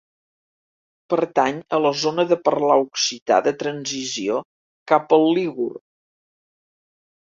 Pertany a la zona de parlar occità de transició cap al lígur.